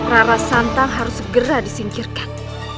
rara santang harus segera disingkirkan